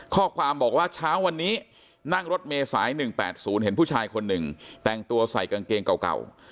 ข้อความบอกว่าเช้าวันนี้นั่งรถเมษาย๑๘๐เห็นผู้ชายคนหนึ่งแต่งตัวใส่กางเกงเก่า